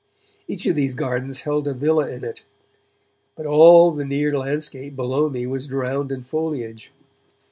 Each of these gardens held a villa in it, but all the near landscape below me was drowned in foliage.